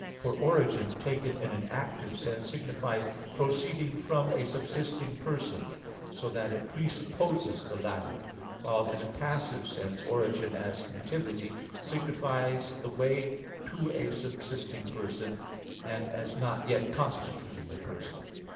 For origin taken in an active sense signifies proceeding from a subsisting person, so that it presupposes the latter; while in a passive sense origin, as "nativity," signifies the way to a subsisting person, and as not yet constituting the person.